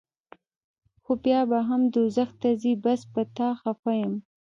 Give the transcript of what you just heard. خو بیا به هم دوزخ ته ځې بس پۀ تا خفه يم